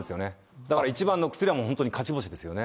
だから一番の薬は本当に勝ち星ですよね。